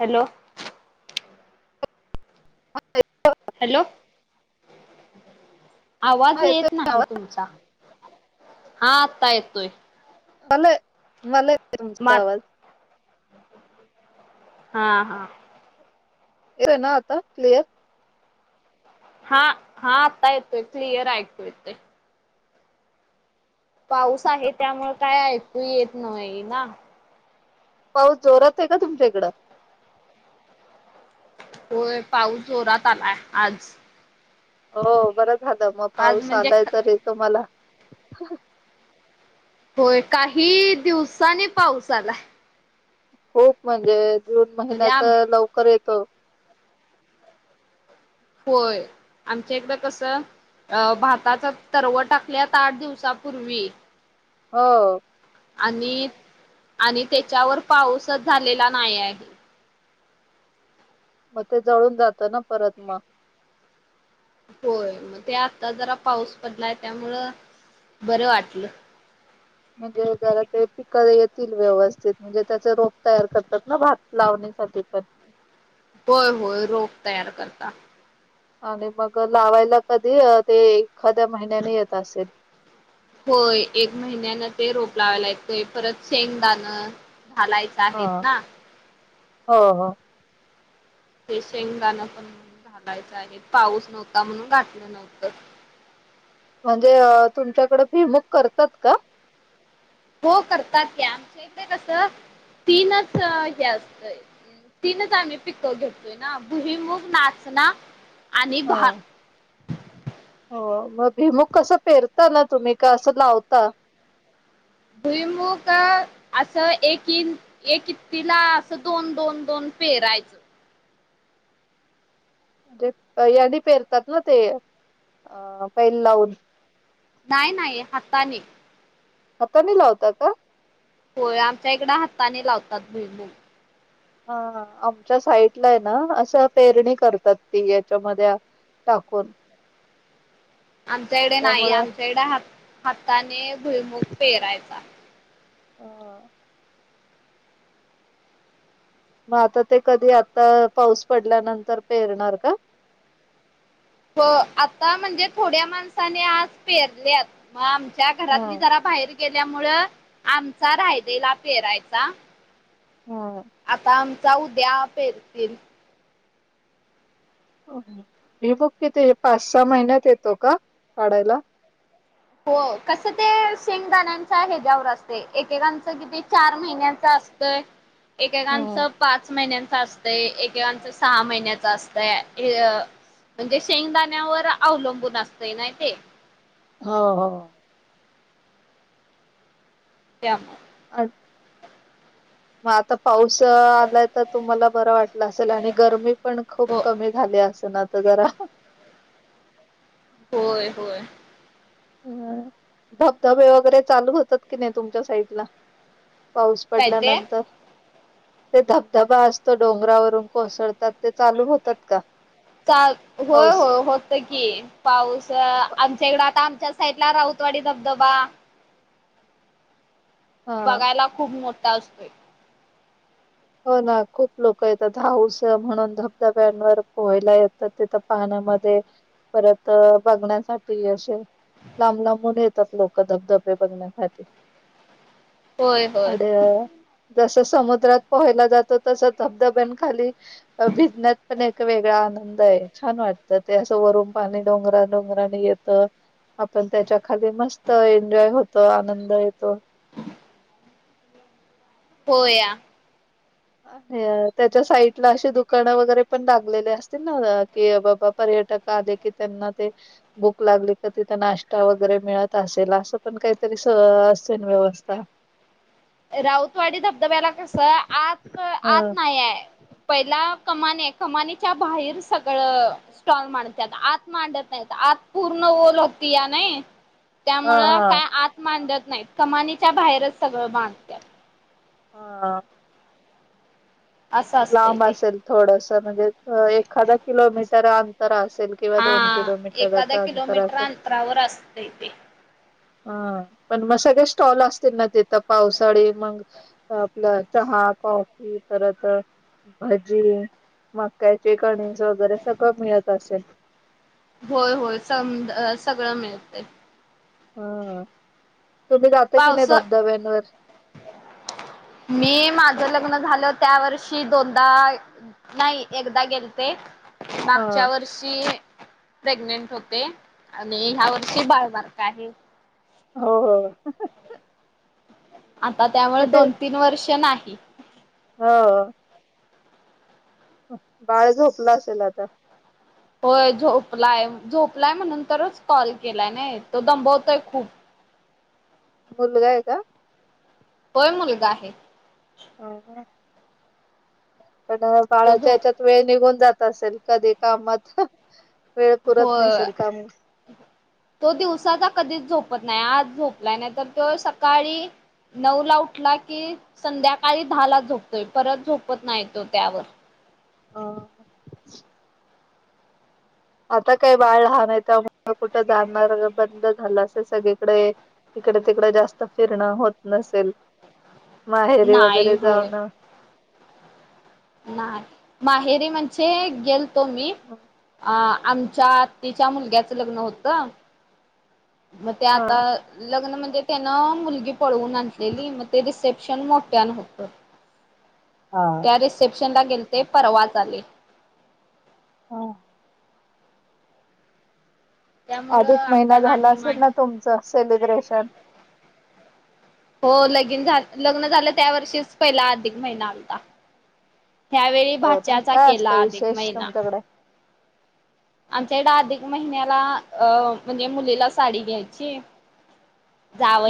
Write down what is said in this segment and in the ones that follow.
Hello hello आवाज हा येतोय येत ना नाही आवाज? तुमचा हा आत्ता येतोय मला मला मा सवाल हा हा येव ना आता क्लियर हा हा आता येत क्लियर आयकोयेत ते पाऊस आहे त्यामुळे काय ऐकू येत नाही ना पाऊस जोरात आहे का तुमच्या इकडं होय पाऊस जोरात आलाय आज हो बरं झालं मग आज पाऊस म्हणजे आलाय तर येतो मला होय काही दिवसानी पाऊस आलाय खूप म्हणजे जून म्हणजे महिन्यात आम लवकर येतो होय आमच एकदा कसं अ भाताच तरव टाकल्यात आठ दिवसाांपूर्वी हो आणि आणि त्याच्यावर पाऊसच झालेला नाही आहे मग ते जळून जातं ना परत मग होय मग ते आता जरा पाऊस पडलाय त्यामुळं बरं वाटलं म्हणजे जरा ते येतील व्यवस्थित म्हणजे त्याचे रोप तयार करतात ना भात लावण्यासाठी पण होय होय रोप तयार करता आणि मग लावायला कधी ते एखाद्या महिन्याने येत असेल होय एक महिन्यानं ते रोप लावाय ला यतंय परत शेंगदाणं झालायचं ह हो हो ते शेंगदाण पण म्हण घालायचं आहे पाऊस नव्हता म्हणून घातलं नव्हतं म्हणजे तुमच्याकडे फी बुक करतात का हो करतात क आमच्या इथडे कस तीनच हे असतय तीनच आम्ही पिकं घेततोय ना भुईमुग नाचना आणि भ हा हो मग भिमुूक कसं पेरता ना तुम्ही का असं लावता भुईमुख असं एक ह एक कि तिला असं दोन दोन दोन पेरायचं यां पेरतात ना ते अ पैल लावून नाही नाही हाताने हाताने लावता का होोय आमच्या इकड हाताने लावतात भुईभूल हा आमच्या साईटला आहे ना असं पेरणी करतात ती याच्यामध्ये टाकून आमच्याकडे नाही त्यामुळं आमच्याकडे ह हाताने भुलमुख पेहरायचा हो मग आता ते कधी आता पाऊस पडल्यानंतर पेरणार का हो आता म्हणजे थोड्या माणसाने आज पेरलेत मग आमच्या घरात म हम्म जरा बाहेर गेल्यामुळं आमचा रायलेला फेरायचा हम्म आता आमचा उद्या पेरतील भुईमूग किती पाच सहा महिन्यात येतो का काढायला हो कसं ते शेंगदाण्यांच्या हद्यावर असते एकेकांचं किती चार महिन्याच असतंय एकेकांच हम्म पाच महिन्यांच असत ते ऐके काच सहा महिन्याच असतय हे अ म्हणजे शेंगदाण्यावर अवलंबून असतय ना ते हो हो त्या अ म आता पाऊस आलाय तर तुम्हाला बरं वाटलं असेल आणि गरमी पण खूप हो कमी झाली असे ना त जरा ह होय होय हम् धबधबे वगैरे चालू होतात कि नाही तुमच्या साईड ला पाऊस काय ते पडल्यानंतर ते धबधबा असतो डोंगरावरून कोसळतात ते चालू होतात का का होय पाऊस होय हो की पाऊस आमच्या इकडं आता आमच्या साईडला राहतवाडी धबधबा हा बघायला खूप मोठा असतोय हो ना खूप लोक येतात हाऊस आहे म्हणून धबधब्यांवर पोहायला येत परत तेिथ पाहण्यामध्ये परत बघण्यासाठी असे लांब लांबून येतात लोक धबधबे बघण्यासाठी होय होय आणि जस समुद्रात पोहायला जातो तस धबधब्या खाली भिजण्यात पण एक वेगळा आनंद आहे छान वाटतं ते असं वरून पाणी डोंगरा डोंगराने येत तर आपण त्याच्या खाली मस्त एन्जॉय होतो आनंद येतो हो या अ त्याच्या साईडला अशी दुकानं वगैरे पण लागलेले असतील ना कि बाबा पर्यटक आले की त्यांना ते बुक लागली का तिथं नाश्ता वगैरे मिळत असेल असं पण काहीतरी स असे ना व्यवस्था राऊतवाडी धबधब्याला कसं आत ह आत नाहीय पहिला कमान कमानीच्या बाहेर सगळं स्टॉल मांडतेता आत मांडत नाही आत पूर्ण ओल होती या नाही हा त्यामुळं हा काय आत मांडत नाहीत कमानीच्या बाहेरच सगळं बाण हा असं असतंय लांब ते असेल थोडस म्हणजे एखादा किलोमीटर अंतर असेल किंवा दोन हा किलोमीटरच एखाद्या अंतर किलोमीटर अस अंतरावर असतंय ते. हा पण मग सगळ्या स्टॉल असतील ना तेिथं पावसाळी मग आपलं चहा कॉफी परत अ भाजी मक्याचे कणीस वगैरे सगळं मिळत असेल होय होय सम सगळं मिळते होय तुम्ही जात की नाही पावस धबधब्यांवर मी माझ लग्न झालं त्या वर्षी दोनदा नाही एकदा गेलते हा मागच्या वर्षी मी ई प्रेग्नेंट होते आणि ह्या वर्षी बाळमारक आहे हो हो [unintelligible] आता त्यामुळे किती दोन तीन वर्ष नाही हो बाळ झोपला असेल आता. होय झोपलाय झोपलाय म्हणंतरच कॉल केलाय नाही तो दंबवतोय खूप मुलगा आहे का? होय मुलगा आहे. ह पण तो बाळाच्या झोप याच्यात वेळ निघून जात असेल कधी कामात वेळ पुरत होय. नसेल काम. तो दिवसाचा कधीच झोपत नाही आज झोपलाय नाही तर तो सकाळी नऊ ला उठला की संध्याकाळी दहा ला झोपतोय परत झोपत नाही तो त्यावर. अ आता काही बाळ लहान आहे त्यामुळ कुठं जाणार बंद झालं असेल सगळीकडे. इकडे तिकड जास्त फिरणं होत नसेल माहेरी नाही वगैरे होय जाऊणं. नाही माहेरी म्हणजे गेलतो मी हा अ आम च्या आत्तीच्या मुलग्याचं लग्न होतं. मग ते आता लग्न म्हणजे त्यानं मुलगी पळवून आणलेली मग ते रिसेप्शन मोठ्यान होतं. [inaudible] ह त्या रिसेप्शनला गेले ते परवाच आले हो त्यामुळं अधिक महिना आता झाला नाही असेल माहित. ना तुमचं सेलिब्रेशन हो लगीन झा लग्न झालं त्या वर्षीच पहिला अधिक महिना आलता या वेळी हो ना भाच्या्याचा काय असतं केला अधिक विशेष महिना तुमच्याकडे आमच्या कडे अधिक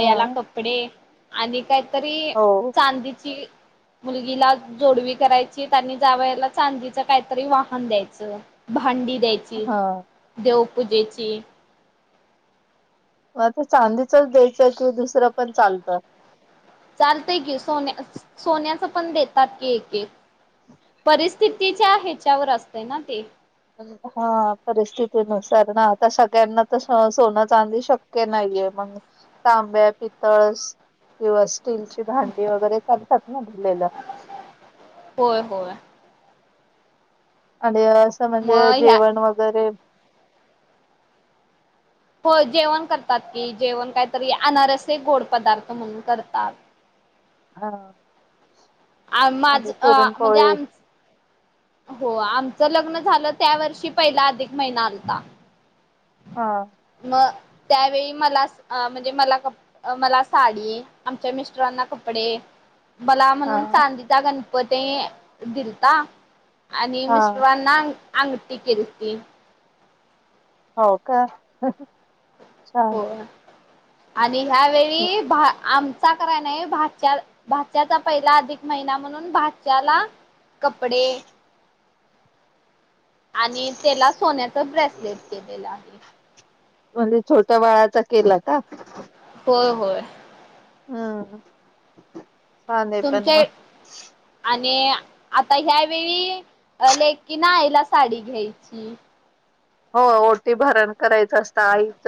हा कपडे आणि काहीतरी हो चांदीची मुलगीला जोडवी करायची त्यांनी जावयाला चांदीच काहीतरी वाहन द्यायचं. भांडी द्यायची हा देवपूजेची. मग ते चांदीचच द्यायचं कि दुसरं पण चालतं. चालतय की सोन्या सोन्याचं पण देतात की एक एक. परिस्थितीच्या ह्याच्यावर असते ना ते. हा परिस्थितीनुसार ना आता सगळ्यांना तर सोनं चांली शक्य नाहीये मग. तांब्या पितळ किंवा स्टीलची भांडी वगैरे चालतात ना रलेलं.. होय होय.. आणि असं म्हणजे मग ह्या जेवण वगैरे हो जेवण करतात की जेवण काहीतरी अनारस गोड पदार्थ म्हणून करतात. हा आ माझ आणि म्हणजे पुरणपोळी. आम हो आमचं लग्न झालं त्या वर्षी पहिला अधिक महिना आलता. हा. मग त्यावेळी मला म्हणजे मला क मला साडी आमच्या मिस्टरांना कपडे मला हा म्हणून चांदीचा गणपती दिलता. आणि हा मिस्टरना अंगठी केली ती. हो का हो छान. आणि म- ह्यावेेळी आम सा कराय नाही भा भाात्याचा पहिला अधिक महिना म्हणून भाश्याला कपडे आणि त्याला सोन्याचं ब्रेसलेट केलेलं आहे. म्हणजे छोट्या बाळाचा केला का? होय होय. हम्म! छान आहे पण तुमचे मग आणि आता ह्यावेेळी लेकीि नाईला साडी घ्यायची. हो ओटी भरण करायचं असतं आईच.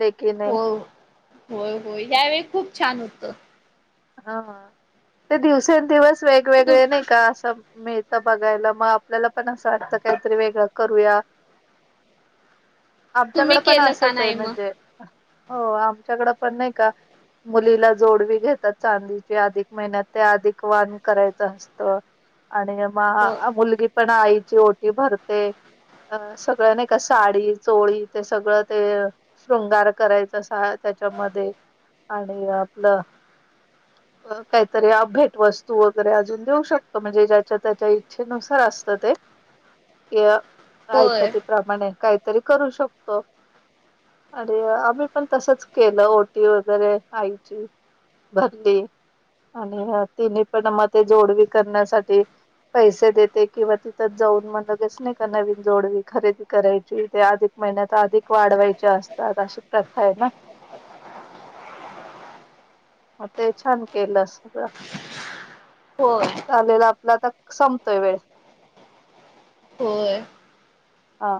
लेकीने हो हो होय यावेळी खूप छान होतं हा ते दिवसेंदिवस तु वेगवेगळे नाही का असं मिळत बघायला मग आपल्याला पण असं वाटतं काहीतरी वेगळं करूया तुम्ही आमच्याकडं पण केलं का असंच आहे नाही मग? म्हणजे हो आमच्याकडें पण नाही का मुलीला जोडवी घेत चांदीचे अधिक महिन्यात ते अधिक वान करायचं असत आणि मग मुलगी पण आईची ओटी भरते ह अ सगळ्या नाही का साडी चोळी ते सगळं ते शृंगार करायचं असात त्याच्यामध्ये आणि आपलं काहीतरी भेट वस्तू वगैरे अजून देऊ शकतो म्हणजे ज्याच्या त्याच्या इच्छेनुसार असतं ते या होय आयपतीप्रमाणे काहीतरी करू शकतो अ आम्ही पण तसच केलं ओटी वगैरे आईची भरली आणि तिन्ही पण मते जोडवी करण्यासाठी पैसे देते किंवा तिथ जाऊन म लगेच नाही का नवीन जोडवी खरेदी करायची ते अजूक महिन्यात अधिक वाढवायच्या असतात अशी प्रथा आहे ना. मग ते छान केलं सगळं. हो आलेला आपला तर संपतोय वेळ होर हा